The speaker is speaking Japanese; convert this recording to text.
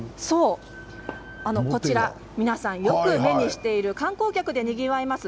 こちら、皆さんよく目にしている観光客でにぎわいます